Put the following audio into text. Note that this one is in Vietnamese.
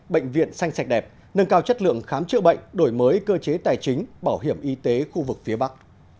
bệnh viện xanh sạch đẹp nâng cao chất lượng khám chữa bệnh đổi mới cơ chế tài chính bảo hiểm y tế khu vực phía bắc